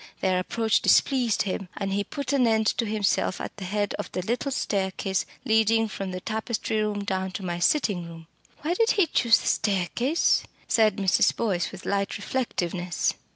Their approach displeased him, and he put an end to himself at the head of the little staircase leading from the tapestry room down to my sitting room. Why did he choose the staircase?" said Mrs. Boyce with light reflectiveness.